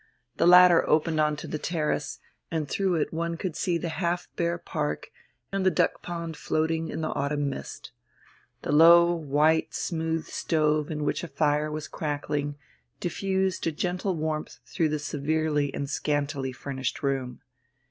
The latter opened on to the terrace, and through it one could see the half bare park and the duck pond floating in the autumn mist. The low, white, smooth stove, in which a fire was crackling, diffused a gentle warmth through the severely and scantily furnished room.